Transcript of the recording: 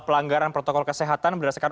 pelanggaran protokol kesehatan berdasarkan